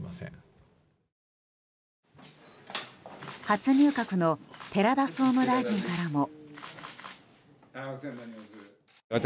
初入閣の寺田総務大臣からも。